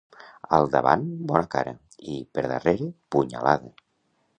Al davant, bona cara, i, per darrere, punyalada.